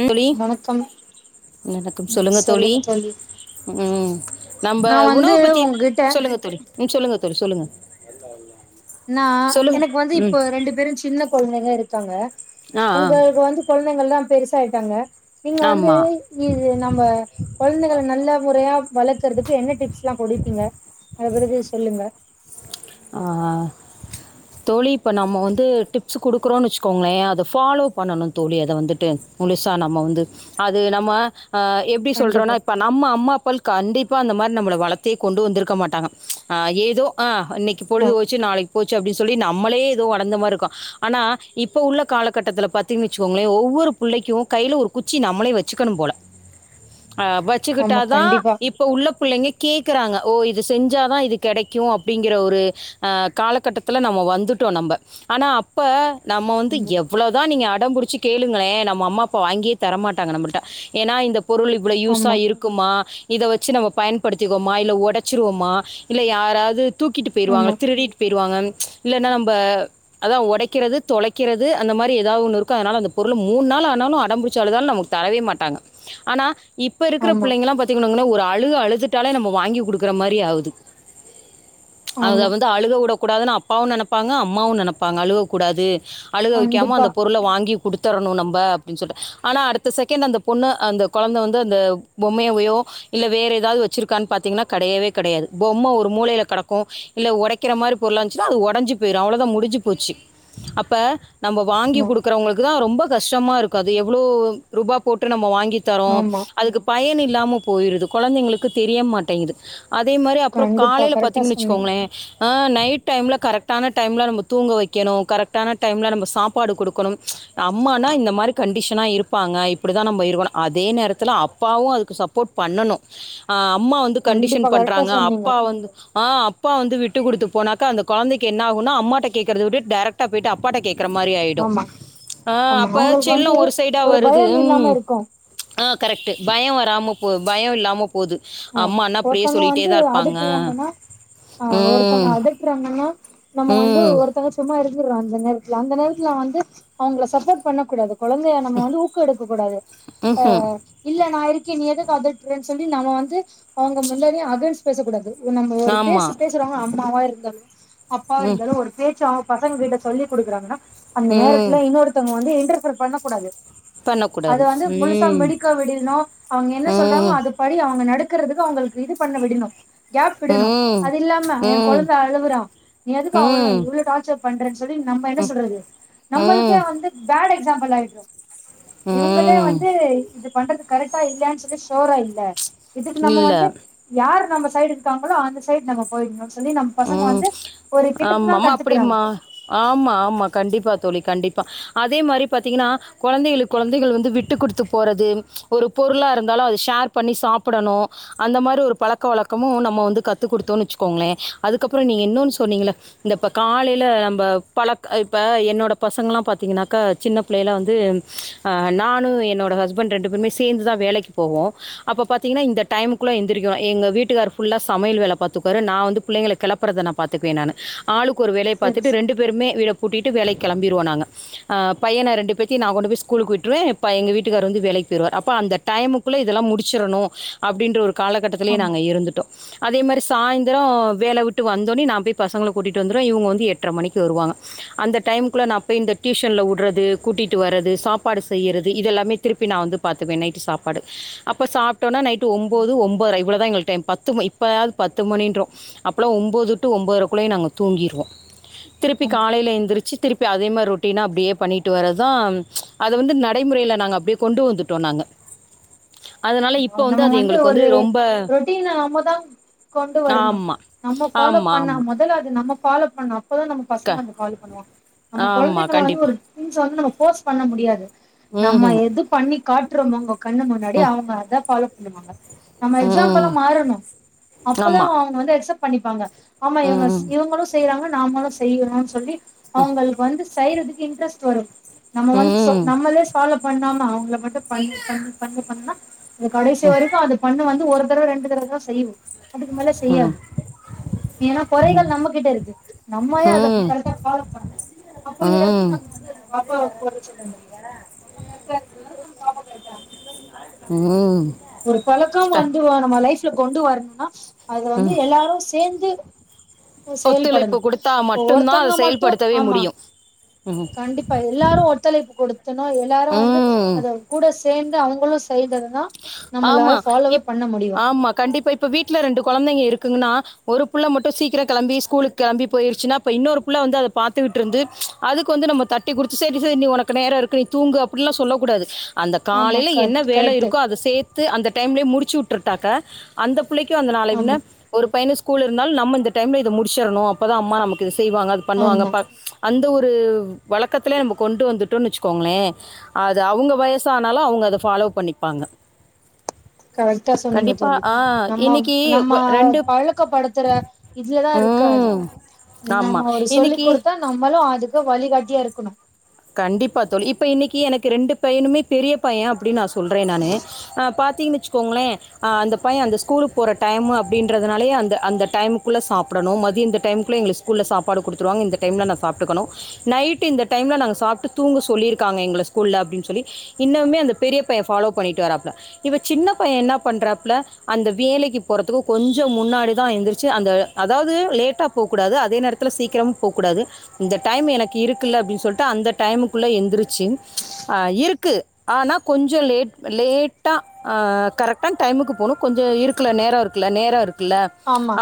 ம் தோழி வணக்கம் வணக்கம் சொல்லுங்க தோழி ம் நம்ம நா வந்து உணவு பத்தி உங்ககிட்ட சொல்லுங்க தோழி ம் சொல்லுங்க சரி சொல்லுங்க [inaudible] நா சொல்லுங்க எனக்கு வந்து ம் இப்போ ரெண்டு பேரு சின்ன குழந்தைக [unintelligible] அடிசாங்க ஆ ஆ உங்களுக்கு வந்து கொலந்தைங்கல்லாம் பெருசாயிட்டாங்க நீங்க வந்து ஆமா இது நம்ம குழந்தைங்க நல்ல முறையா வளர்க்கறதுக்கு என்ன டிப்ஸ்லா கொடுப்பீங்க அத பத்தி சொல்லுங்க ஆ தோழி இப்ப நம்ம வந்து டிப்ஸ் குடுக்குறோன்னு வச்சுக்கோங்களே அத ஃபாலோ பண்ணணு தோழி அத வந்துட்டு முழுசா நம்ம வந்து அது நம்ம ஆ எப்டி சொல்றோனா கண்டிப்பா இப்ப நம்ம அம்மா அப்ப ல்க் கண்டிப்பா அந்த மாரி நம்ம வளத்தையே கொண்டு வந்துருக்க மாட்டாங்க ஆ ஏதோ ஆ ஆமா பொழுது போச்சு நாளைக்கு போச்சு அப்டி சொல்லி நம்மளே ஏதோ ஒடந்த மாரி இருக்கோ ஆனா இப்ப உள்ள காலகட்டத்துல பாத்தீங்கனு வச்சுக்கோங்களே ஒவ்வொரு புள்ளைக்கும் கையில ஒரு குச்சி நம்மளே வச்சுக்கணு போல அ ஆமா வச்சுக்கிட்டாதா கண்டிப்பா இப்ப உள்ள புள்ளைங்க கேக்கறாங்க ஓ இது செஞ்சாதா இது கெடைக்கும் அப்டிங்கற ஒரு அ காலகட்டத்துல நம்ம வந்துட்டோம் நம்ப ஆனா அப்ப நம்ம வந்து ஆமா எவ்வளதா நீங்க அடம்புடி ச்சு கேளுங்களே நம்ம அம்மா அப்பா வாங்கியே தர மாட்டாங்க நம்மள்ட்ட ஏனா இந்த பொருள் இவளோ யூஸா ஆமா இருக்குமா இத வச்சு நம்ம பயன்படுத்திக்கோமா இல்ல ஒடைச்சிருவோமா இல்ல யாராவது தூக்கி பேயிருவாங்க ஆமா திருடிட் பே வாங்க இல்லன்னா நம்ப அதா ஒடைக்கிறது தொலைக்கிறது அந்த மாரி எதா ஒன்னு இருக்கும் அதனால அந்த பொருளு மூன் நாள் ஆனாலும் அடம்பிடிச்சு அழுதாலும் நமக்கு தரவே மாட்டாங்க ஆனா இப்ப இருக்குற ஆமா புள்ளைங்கல்லா பாத்தீங்கனோங்களே ஒரு அழுக அழுதுட்டாலே நம்ம வாங்கி குடுக்கற மாரி ஆவுது அத ஆமா வந்து அழுக வுட கூடாதுனு அப்பாவும் நெனப்பாங்க அம்மாவும் நெனப்பாங்க அழுவக்கூடாது அழுக வைக்காம கண்டிப்பா அந்த பொருள வாங்கி குடுத்தரணும் நம்ப அப்டினு சொல்ட்டு ஆனால் அடுத்த செகண்ட் அந்த பொண்ணு அந்த கொழந்தை வந்து அந்த பொம்மைய உயோ இல்ல வேற எதாவது வச்சுிருக்கானு பாத்தீங்கனா கடையவே கடையாது பொம்ம ஒரு மூளையில கடக் கும் இல்ல ஒடைக்கிற மாரி பொருளா இருந்துச்சுனா அது ஒடைஞ்சு போயிரும் அவ்வளோதா முடிஞ்சு போச்சு அப்ப நம்ம வாங்கி ஆமா குடுக்குறவங்களுக்கு தா ரொம்ப கஷ்டமா இருக்காது எவ்வளோ ரூபா போட்டு நம்ம வாங் கி தரோம் ஆமா அதுக்கு பயனி ல்லாம போயிருது கொழந்தைங்களுக்கு தெரிய மாட்டேங்குது அதே மாரி அப்றம் கண்டிப்பா காலைல கரெக்டா பாத்தீங்கன்னு வச்சு சொன்னீங்க கோங்களே ஆ நைட் டைம்ல கரெக்டான டைம்ல நம்ம தூங்க வெக்கணு கரெக்டான டைம்ல நம்ம சாப்பாடு குடுக்கணும் அம்மானா இந்த மாரி கண்டிஷனா இருப்பாங்க இப்டிதா நம்ப இருக்ணு அதே நேரத்துல அப்பாவு அதுக்கு சப்போர்ட் பண்ணணு ஆ அம்மா வந்து கண்டிப்பா கண்டிஷன் கரெக்டா பண்றாங்க சொன்னீங்க அப்பா வந்து ஆ அப் பா வந்து விட்டு குடுத்து போனாக்கா அந்த கொழந்தக்கி என்ன ஆவுன்னா அம்மாட்ட கேக்றத விட்டுட் டேரக்ட்டா பேய்ட்டு அப்பாட்ட கே க்ற மாரி ஆயிடு ஆமா ஆ ஆமா அப்ப அவங்களுக்கு செல்லொ வந்து ஒரு சைடா வருது பயம் இல்லாம ம் இருக்கு ஆ கரெக்ட்டு பயொ வராம போ பயொ இல்லாம போது ஆ அம்மான்னா அப்டியே ஒருத்தங்க சொல்லிட்டே வந்து தா இருப்பாங்க அதட்டுறாங்கன்னா ஆ ஒருத்தங்க ம் அதட்றாங்க னா நம்ம வந்து ம் ஒருத்தங்க சும்மா இரு ந்துர்ணு அந்த நேரத்துல அந்த நேரத்துல வந்து அவுங்கள சப்போட் பண்ணக் கூடாது கொழந்தைய நம்ம வந்து ஊக்கு எடுக்கக் கூடாது ஆ ம் இல்ல நா இருக் கெ நீ எதுக் அதட்றன் சொல்லி நம வந் து அவ்ங்க முன்னாடியே அத பேசக் கூடாது நம்ம ஒரு பேசு ஆமாம் பேசுறவங்க அம்மாவா இருந்தாலு அப்பா ம் இருந்தாலு ஒரு பேச்சா பசங்க கிட்ட சொல்லி குடுக்குறாங்கன்னா அந்த ம் நேரத்துல இன்னொருத்தவங்க வந்து இன்டர்பர் பண்ணக்கூடாது அது பண்ணக்கூடாது வந்து முழுசா ம் மிடிக்க விடணு அவ்ங்க என்ன சொல்றாங்ளோ ம் அது படி அவங்க நடக் கிறதுக்கு அவுங்களுக்கு இது பண்ண விடணு கேப் விடணு ம் அது இல்லாம ஏ ம் கொழந்த அழுவுறா நீ எதுக்கு அவன ம் இவ்ளோ டார்ச்சர் பண்றேன்னு சொல்லி நம்ம என்ன சொல்றது நம்மளுக்கே ம் வந்து பேட் எக்சாம்பிளா ஆயிட்றோ இவுங்களே ம் வந்து இது பண்றது கரெக்டா இல்லயான்னு சொல்லி சுயரா இல்ல இதுக்கு நம்ம இல்லை வந்து யார் நம்ம சைடு இருக்காங்களோ அந்த சைடு நம்ம போயிட்ணு ம் ஆமமா கத்துக்குறாங்க அப்டிம்மா ஆமா ஆமா கண்டிப்பா தோழி கண்டிப் ப அதே மாரி பாத்திங்கனா கொழந்தைகளுக்கு கொழந்தைகள் வந்து விட்டு குடுத்து போறது ஒரு பொருளாருந்தாலு அது ஷேர் பண்ணி சாப்பிடணு அந்த மாரி ஒரு பழக்க வழக்கமு நம்ம வந்து கத்து குடுத்தோன்னு வெச்சுக்கோங்ளே அதுக்கப்பற நீங்க இன்னோனு சொன்னிங்கல இந்த இப்ப காலையில நம்ப பழக்க இப்ப என்னோட பசங்கல்லா பாத்திங்கன்னாக்க சின்ன பிள்ளைல வந்து நானு என்னோட ஹஸ்பண்ட் ரெண்டு பேருமே சேந்துதா வேலைக்கு போவோ அப்ப பாத்திங்கன்னா இந்த டைமுக்குள்ள எந்திரிக்கோ எங்க வீட்டுக்கார் ஃபுல்லா சமையல் வேல பாத்துப்பாரு நா வந்து புள்ளைங்கள கெளப்புறத நா பாத்துக்குவே நானு ஆளுக் கொரு வேலய சரி பாத்துட்டு சரி ரெண்டு பேருமே வீட பூட்டிட்டு வேலைக்கு கெளம்பிருவோ நாங்க ஆ பையன ரெண்டு பேத்தியு நா ம் கொண்டு போயி ஸ்கூலுக்கு விட்ருவே ப்பா எங்க வீட்டுக்காரு வந்து வேலைக்கு போயிருவாரு அப்ப அந்த டைமுக்குள்ள இதெல்லா முடிச்சிரணு அப்டின்ற ஒரு காலகட்டத்துலயே ஆமா நாங்க இருந்துட்டோ அதே மாரி சாய்ந்தர வேல விட் டு வந்தோனே நா போய் பசங்கள கூட்டிட்டு வந்துருவே இவுங்க வந்து எட்ர மணிக்கு வருவாங்க அந்த டைம்க்குள்ள நா போய் இந்த டியூஷன்ல உடறது கூட்டிட்டு வர்றது சாப்பாடு செய்யறது இதெல்லாமே திருப்பி நா வந்து பாத்துக்வே நைட்டு சாப்பாடு அப்ப சாப்ட்டோன நைட்டு ஒம்போது ஒம்போதர இவ்ளதா எங்களுக்கு டைம் பத்து இப்பயாது பத்து மணின்றோ அப் பலா ஒம்போது டூ ஒம்பதரைக்குளயா நாங்க தூங்கிருவோ திருப்பி ஆமா காலைல எந்திரிச்சு திருப்பி அதே மார் ரொட்டீனா அப்டியே பண்ணிட்டு வரதா அத வந்து நடைமுறைல நாங்க அப்டியே கொண்டு வந்துட்டோ நாங்க நம்ம வந்து ஒரு ரொட்டினா நம்மதா கொண்டு வரணு ஆமாம் நம்ம ஃபாலோ ஆமாம் பண்ணா ஆமாம் மொதல்ல அது நம்ம ஃபாலோ பண்ணோ அப்பதா நம்ம பசங்க க அந்த ஃபாலோ பண்ணுவாங்க நம்ம ஆமாம் கொழந்தைகள வந்து கண்டிப்பாக ஒரு ட்வின்ச வந்து நம்ம ஃபோர்ஸ் பண்ண முடியாது நம்ம ம்ஹூம் எது பண்ணி காட்றமோங்கோ கண்ணு முன்னாடி ம் அவங்க அ த ஃபாலோ பண்ணுவாங்க நம்ம எக்ஸாம்புளா ம் மாறணு அப்பதா ஆமா அ அவங்க வந்து அக்செப்ட் பண்ணிப்பாங்க ஆமா இவங்க ம் ம் இவங்களு செய்றாங்க நாமளு செய்யிறோனு சொல்லி அவங்களுக் வந்து செய்யறதுக்கு இன்ட்ரஸ்ட் வரு நம்ம வந்து சொ ம் நம்மளே சால்வ் பண்ணாம அவங்கள மட்டு பண்ணு பண்ணு பண்ணு பண்ணுணா அது கடைசி வரைக்கு அது பண்ணு வந்து ஒரு தரவ ரெண்டு தரவதா செய்வோ அதுக்கு மேல செய்யாது ம் ஏனா கொறைகள் நம்மகிட்ட இருக்கு நம்மயே அத ம் கரெக்டா ஃபாலோ பண்ல அப்போ எப்டி நம்ம வந்து அந்த பாப்பாவ கொற சொல்ல முடியு நம்ம கரெட்டா இருந்தாதான நம்ம பாப்பா கரெட்டா இருக்கு ம் ஒரு பழக்கோ த வந்து வ நம்ம லைஃப் ல கொண்டு வரணுனா அது வந்து ம் எல்லாரு சேந்து ஒத்துழைப்பு செயல்படணு குடுத்தா மட்டுந்தா அத ஒருத்தங்க மட்டு செயல்படுத்தவே ஆமா முடியு கண்டிப்பா எல்லாரு ஒத்துழைப்பு கொடுத்தணு எல்லாரு வந்து ம் அத கூட சேந்து அவங் களு [unintelligible] ஆமா இப் ஆமா கண்டிப்பா இப்ப வீட்ல ரெண்டு கொழந்தைங்க இருக் க்குங்னா ஒரு புள்ள மட்டு சீக்கிரோ கெளம்பி ஸ்கூலுக்கு கெளம்பி போய்ருச்சுனா அப்ப இன்னொரு புள்ள வந்து அத பாத்துட்டு இருந்து அதுக்கு வந்து நம்ம தட்டி குடுத்து சேரி சேரி நீ ஒனக்கு நேரோ இருக்கு நீ தூங்கு அப்டின்லா சொல்ல கூடாது அந்த ஆமா காலையில என்ன கட் வேலை கரெக்ட்டு இருக் கோ அத சேத்து அந்த டைம்லயே முடிச்சு உட் ருட்டாக்க அந்த புள்ளைக்கு அந்த நாள் என்ன ஆமா ஒரு பையனு ஸ்கூல் நால் நம்ம இந்த டைம்ல இத முடிச்சற்ணு அப்பதா அம்மா நமக்கு இத செய்வாங்க அது பண்ணுவாங்க ஆமா பா அந்த ஒரு ரு வழக்கத்திலே நம்ம கொண்டு வந்துட்டோனு வச்சுக்கோங்களே அது அவுங்க வயசானாலு அவுங்க அத ஃபாலோ பண்ணிப் பாங்க கரெக்டா சொன்னீங்க தோழி நம்ம இன்னைக்கு நம்ம வ பழக்கப்படுத்துற இதுல தா இருக்கு அது ம். ஆமா. நம்ம ஒரு சொல்லிக் இன்னைக்கு கொடுத்தா நம்மளு அதுக்கு வழிகாட்டியா இருக் குனு கண்டிப்பா தோழி இப்ப இன்னிக்கு எனக்கு ரெண்டு பையனுமே பெரிய பைய அப்டினு நா‌ சொல் சொல்றே நானு பாத்தீங்கனா வச்சுக்கோங்களே அந்த பைய அந்த ஸ்கூலுக்கு போற டைம் அப்டின்றது நாலயே அந்த அந்த டைம்க்குள்ள சாப்டனு மதிய இந்த டைம்குள்ள எங்குளுக்கு ஸ்கூல்ல சாப்பாடு குடுத்துருவாங்க இந்த டைம்ல நா சாப்ட்டுக்கனு நைட்டு இந்த டைம்ல நாங்க சாப்ட்டு தூங்க சொல்லிருக்காங்க எங்கள ஸ்கூல்ல அப்டினு சொல்லி இன்னமே அந்த பெரிய பைய ஃபாலோ பண்ணிட்டு வராப்ல இவ சின்ன பையன் என்ன பண்றாப்ல அந்த வேலைக்கு போறதுக்கு கொஞ்ஜோ முன்னாடி தா எந்துர்ச்சு அந்த அதாவுது லேட்டா போ கூடாது அதே நேரத்துல சீக்கிரமா போ கூடாது இந்த டைம் எனக்கு இருக்கு இல்ல அப்படின்னு சொல்லிட்டு அந்த டைம் டைமுக்குள்ள எந்துரிச்சு இருக்கு ஆனா கொஞ்ஜோ லேட் லேட்டா கரெக்டான டைமுக்கு போனும் கொஞ்ஜோ இருக்குல நேரோ இருக்குல நேரோ ஆமா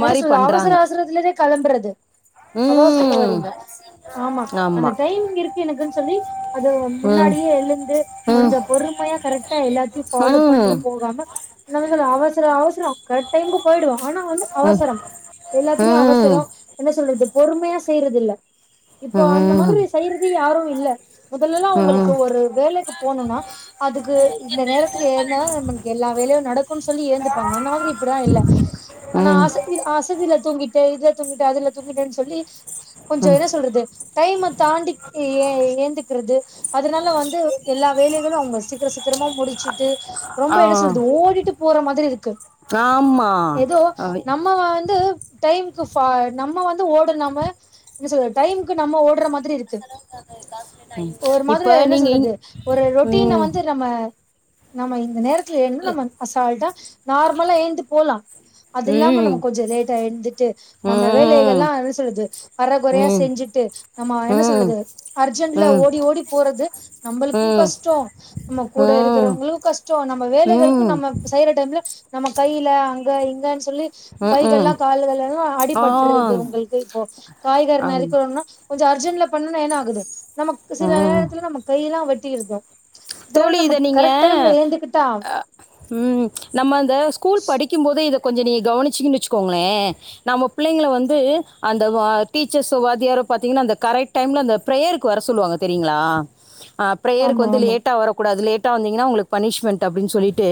என்ன சொல்ல அவசர அவசரத்துலயே கெளம்புறது அதா சொல்ல ம் வரீங்க ஆமா அந்த டைமிங் இருக்கு எனக்குனு சொல்லி அது ம் முன்னாடியே எழுந்து ம் கொஞ்ஜோ பொறுமையா கரெக்டா எல்லாத்தையு ம் ம் ஃபாலோ பண்ட்டு போகாம நம்ம சொல்ல அவசரோ அவசரோ கரெக்ட் டைமுக்கு போயிடுவோ ஆனா வந்து ம் அவசரம் எல்லாத்துலையு அவசரோ என்ன சொல்றது பொறுமையா செய்றதில்ல இப்போ அந்த ம் மாதிரி செய்யறது யாரு இல்ல மொதல்லல்லா அவுங்குளுக்கு ஒரு வேலைக்கு போணுனா அதுக்கு இந்த நேரத்துக்கு எழுந்தாதா நமக்கு எல்லா வேலையு நடக்குன் சொல்லி எழுந்துப்பாங்க அந்த மாதிரி இப்படிலா இல்ல ஆனா ம் ம் ஆச ஆச தீர தூங்கிட்டு இதுல தூங்கிட்டு அதுல தூங்கிட்டேனு சொல்லி கொஞ்ஜோ என்ன சொல்றது டைமு தாண்டி ஏ ஏ ஏந்துரிக்கறது அதனால வந்து எல்லா வேலைகளு அவுங்க சீக்கிர சீக்கிர திரும்ப முடிச்சுட்டு ரொம்ப ஆ என்ன சொல்லுது ஓடிட்டு போற மாதிரி இருக்கு ஆமா எதோ அவை நம்ம வந்து டைமுக்கு‌ ஃப நம்ம வந்து ஓடு நம்ம என்ன சொல்ற டைமுக்கு நம்ம ஓடற மாதிரி இருக்கு ம் து ஒரு மாதிரி இப்ப என்ன நீங்க இங் சொல்றது ஒரு ரொட்டீன ம் வந்து நம்ம நாம இந்த நேரத் துல என்ன நம்ம அசால்ட்டா நார்மலா எழுந்து ‌போலா அது இல்லாம நம்ம ம் கொஞ்சோ லேட்டா எழுந்துட்டு ம் நம்ம ம் வேலைகல்லா என்ன சொல்றது அர குறையா ம் செஞ்சுட்டு நம்ம என்ன ம் சொல்றது அர்ஜென்ட்ல ம் ஓடி ஓடி போறது நம்புளுக்கு ம் கஷ்டோ நம்ம கூட ம் இருக்குறவங்களு கஷ்டோ நம்ம வேலைகளுக்கு ம்ஹூம் நம்ம செய்ற டைம்ல நம்ம கையில அங்க இங்கன் சொல்லி கைகள்லா கால்களெல்லா ஆ அடிபட்ருது உங்களுக்கு இப்போ காய்கறி ஆமா நறுக்குறோனா கொ ஞ்ச அர்ஜன்ட்ல பண்ணுனா என்னாகுது நமக்கு சில ம் நேரத்துல நம்ம கையெல்லா வெட் டிருது தோழி இத நீங்க அ ம் நம்ம அந்த ஸ்கூல் படிக்கும்போது இத கொஞ்சோ நீங்க கவனிச்சிங்கன்னு வச்சிக்கோங்களே நம்ம பிள்ளைங்களவந்து அந்த டீச்சர்ஸ் சோ வாத்தியாரோ பாத்தீங்கன்னா அந்த கரெக்ட் டைம்லா அந்த பிரேயர்க்கு வர சொல்லுவாங்க தெரியுங்களா ஆ பிரேயர்க்கு ஆமா வந்து ஆமா லேட் டாக்க கூடாது லேட்டா வந்திங்கன்னா ஒங்களுக்கு பனிஷ்மென்ட் அப்டின் சொல்லிட்டு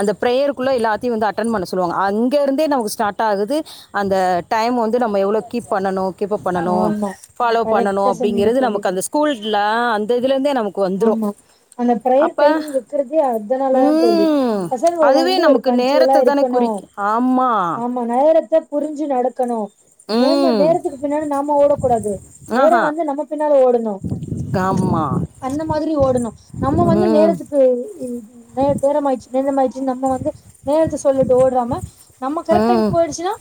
அந்த பிரேயர் குள்ள எல்லாத்தயு வந்து அட்டென்ட் பண்ண சொல்லுவாங்க அங்க இருந்தே நமக்கு ஸ்டார்ட் ஆகுது அந்த டைம் வந்து நம்ப எவ்ளோ கீப் பண்ணனு கீப் அப் பண்ணனு ஆமா ஃபாலோ பண்ணனு கரெக்டா சொன்னீங்க அப்டிங்கிறது தோழி நமக்கு அந்த ஸ்கூல் லா அந்த இதுல இருந்தே நமக் ஆமா அந்த ப்ரேயர் டைமிங் வக்கிறதே அதனாலதா தோழி ம் பசங்கள அதுவே வந்து ஒரு நமக்கு பஞ்சூவலா நேரத்த தானே இருக்கணு குறிக்கு ஆமா ஆமா நேரத்த புரிஞ்சி நடக்கணு நேம ம் நேரத்துக்கு பின்னாடி நாம ஓடக்கூடாது நேரோ வந்து நம்ம பின்னால ஓ கம்மா அந்த மாதிரி ஓடணு நம்ப வந்து நேரத்துக்கு நே நேரமாயிடுச்சிங்க நேரமாயிடுச்சின்னு நம்ம வந்து நேரத்த சொல்லிட்டு ஓடுறாம நம்ம கரெக்ட் ம் டைம்க்கு போயிடுச்சின்னா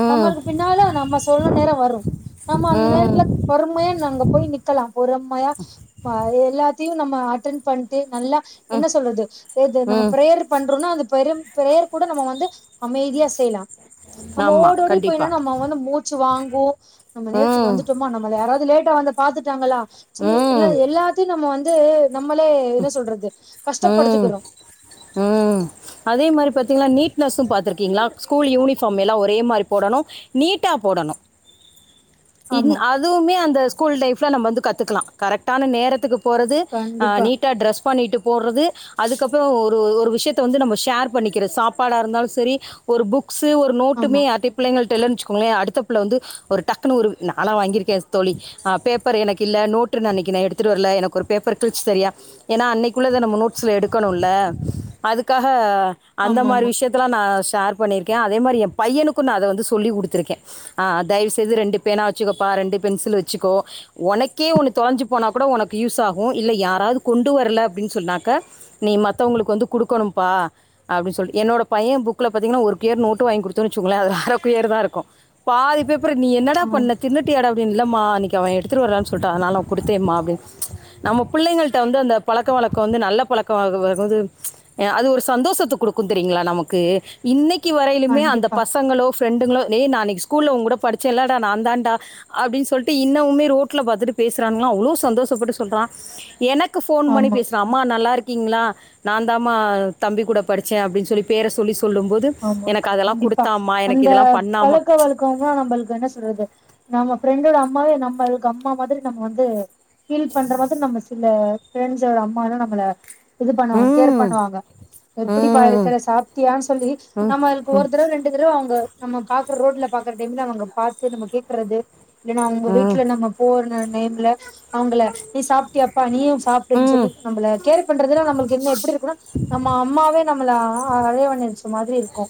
ம் நம்மளுக்கு பின்னால நம்ம சொன்ன நேரோ வரு நம்ம அந்த ம் நேரத்துல பொறுமையா அங்க போய் நிக்கலா பொறும்மையா எல்லாத்தியும் நம்ம அட்டன் பண்ட்டு நல்லா என்ன சொல்றது ஏது நம்ம ம் பிரேயர் பண்றோன்னா அது பெரும் பிரேயர் கூட நம்ப வந்து அமைதியா செய்யலா நம்ம ஆமா ஓடோடி போய்னா கண்டிப்பா நம்ம அவங்க வந்து மூச்சு வாங் கு நம்ம நேரத்துக்கு ம் வந்துட்டோமா நம்ம யாராவது லேட்டா வந்தத் பாத்துட்டாங்களா சொல்லி ல்ல ம் எல்லாத்தையு நம்ம வந்து த்து நம்மளே என்ன சொல்றது ம் கஷ்டப்படுத்துக்கிறோ பாத்தீங்கலா நீட்னஸ் பாத்திருக்கீங்ளா ஸ்கூல் யூனிஃபார் எல்லா ஒரே மாரி போடணு நீட்டா போடணு இ ஆமா அதுவுமே அந்த ஸ்கூல் லைப் [unintelligible] நம்ம வந்து கத்துக்கலா கரெக்டான நேரதுக்குப் போறது அ கண்டிப்பா நீட் பண்ணிட்டு போறது அதுக்கப்புறோ ஒரு ஒரு விஷயத்த வந்து நம் ஷேர் பண்ணிக்கிற சாப்பாடா இருந்தாலு செரி ஒரு புக் க்சு ஒரு நோட்டுமே ஆமா யார்ட்டப் பிள்ளைங்கள்ட தர்லன்னு வெச்சுகோங்களே அடுத்த புல்ல வந்து ஒரு டக்குனு ஒரு நாளா வாங்கிருக்கே தோழி அ பேப்பர் எனக்கு இல்ல நோட்டு நா அன்னைக்கு எடுத்துட்டு வரல எனக்கு ஒரு பேப்பர் கில்ச்சு தரியா ஏன்னா அன்னைக்குள்ளத நம்ம நோட்ஸ்ல எடுக்கணுல்ல அதுக்காக அந்த ஆமா மாதிரி ஆமா விஷயத்தால நா சேர் பண்ணியிருக்கே அதே மாதிரி என் பையனுக்கு நா அதை வந்து சொல்லி கொடுத்துருக்கே ஆ தயவுசெய்து ரெண்டு பேனா வச்சுக்கப்பா ரெண்டு பென்சில் வச்சுக்கோ உனக்கே ஒன்னு தொலைஞ்சி போனாக் கூட உனக்கு யூஸாகு இல்ல யாராவது கொண்டு வரல அப்புடின்னு சொன்னாக்க நீ மத்தவங்களுக்கு வந்து குடுக்கணும்பா அப்டின்னு சொல்லி என்னேட பைய புக்ல பாத்தீங்ன்னா ஒரு கொயர் நோட் வாங்கி கொடுத்தேன்னு வச்சுக்கோங்கல்ல அதுல அரைகோயர் தான் இருக்கும் பாதி பேப் பர்ர நீ என்னடா ஆ பண்ண தின்னுட்டியாட அப்டின்னு இல்லம்மா அன்னைக்கி அவ எடுத்துட்டு வரலன்னு சொல்லிட்டா அதனால நா குடுத்தேமா அப்டினு நம்ம புள்ளைங்கள்ட் ட்டு வந்து அந்த பழக்கோ வழக்கோ வந்து நல்ல பழக்கோ [unintelligible] அதாவது அது ஒரு சந்தோஷத்த கூடுக்கு தெரியுங்களா நமக்கு இன்னிக் னிக்கி வரையிலுமே அந்த கண்டிப்பா பசங்களோ ஃப்ரெண்டுங்களோ நேன அன்னைக்கு ஸ்கூல்ல ஒன்கூட படிச்சேன்ல்லட நான்தான்டா அப்டின்னு சொல்ட்டு இன்னவும்மே ரோட்ல பாத்துட்டு பேசுறாங்கலா அவ்ளோ சந்தோசப்பட்ட சொல்றா எனக் கு ஃபோன் பண்ணி ஆமா பேசுறா அம்மா நல்லா இருக் கீங்ளா நா தான்மா தம்பி கூட படிச்சே அப்டின்னு சொல்லி பேரை சொல்லி செல் ஆமா கண்டிப்பா எனக்கு அந்த இதெல்லாம் பண்ணாமா பழக்க வழக்கம்ல நம்மளுக்கு என்ன சொல்றது நம்ம ஃப்ரெண்டோட அம் அம்மாவே நம்மளுக்கு அம்மா மாதிரி நம்ம வந்து ஃபீல் பண்ற மாதிர நம்ம சில ஃப்ரெண்ட்ஸ்சோட அம்மாலா நம்மள இது பண்ணுவாங்க கேர் ம் பண்ணுவாங்க எப்புடிப்பா ம் இருக்கற சாப்டியான்னு சொல்லி ம் நம்மளுக்கு ஒரு ம் தடவ ரெண்டு தடவ அவுங்க நம்ம பாக்குற ரோட்ல பாக்குற டைம்ல அவுங்க பாத்து நம்ம கேக்குறது இல்லனா உங்க ம் வீட்டுல நம்ப போற நேரத்ல டைம்ல அவுங்கள நீ சாப்பிட்டியப்பா நீயு சாப்டனு சொல்லி ம் நம்பல கேர் பண்றதுல நம்மளுக்கு என்ன எப்புடி இருக்கும்ன நம்ம அம்மாவே நம்ம கள அ அனைவ நெனச்ச மாதிரி இருக்கு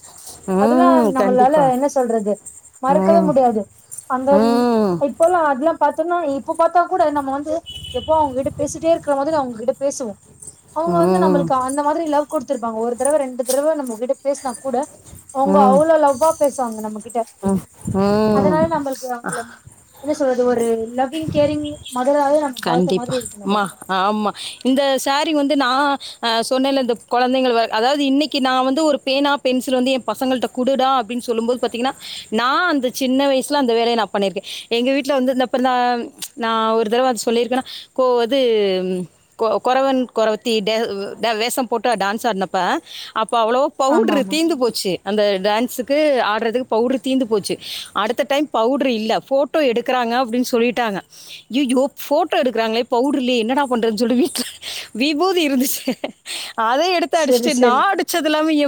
அதெல்லா ம் நம்மளால கண்டிப்பா என்ன சொல்றது மறக்கவே ம் முடியாது அந்த ம் ம் இப்போலா அதெல்லா பாத் திங்னா இப்ப பாத்தா கூட நம்ம வந்து எப்போ அவங்ககிட்ட பேசிட்டே இருக்கிற மாதிரி அவுங்ககிட்ட பேசுவோ அவங்க வந்து ம் நம்மளுக்கு அந்த மாதிரி லவ் குடுத்துருக் காங்க ஒரு தடவ ரெண்டு தடவ நம்மகிட்ட பேசுனா கூட அவங்க அவ்ள லவ்வா பேசுவாங்க நம்ம கிட்ட ம் அதனால ம் நம்மளுக்கு அவங்கள என்ன சொல்றது ஒரு லவ்விங் கேரிங் மதரா கண்டிப்பா மா ஆமா இந்த சேரி வந்து நா சொன்னேல்ல இந்த கொழந்தைங்க அதாது இன்னைக்கு நா வந்து ஒரு பேனா பென்சில் வந்து எம் பசங்கள்ட்ட குடுடா அப்டின் சொல்லும் போது பாத்திங்கனா நா அந்த சின்ன வயசுல அந்த வேலய நா பண்ணிருக்கே எங்க வீட்ல வந்துருந்தப்ப நா ஒரு தடவ சொல்லிருக்கன கொ இது கொறவன் கொறவத்தி ட வேஷம் போட்டு டான்ஸ் ஆட்னப்ப அப்ப அப்போ அவ்ளோ ஆமா பவுட்ரு ஆமா தீந்து போச்சு அந்த டான்சுக்கு ஆடறதுக்கு பவுடுரு தீந்து போச்சு அடுத்த டைம் பவுட்ரு இல்ல ஃபோட்டோ எடுக்கறாங்க அப்டின்னு சொல்லிட்டாங்க ஐயயோ ஃபோட்டோ எடுக்குறாங்களே பவுடர் இல்லயே என்னடா பண்றதுன்னு சொல்ட்டு வீட்ல விவுதி இருந்துச்சு அத எடுத்து சரி அடிச்சிட்டு நா சரி அடிச்சது இல்லாம எ